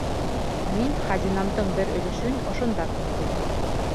Мин хазинамдың бер өлөшөн ошонда күмдем.